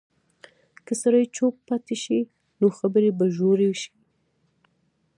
که سړی چوپ پاتې شي، نو خبرې به ژورې شي.